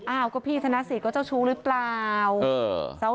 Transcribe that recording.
อ้าวก็พี่ธนสิทธิ์เจ้าชู้หรือเปล่า